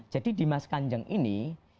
jadi dimas kanjeng ini